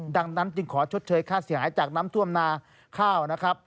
ดังนั้นจึงขอชดเชยค่าเสียหายจากน้ำท่วมนาข้าวนะครับ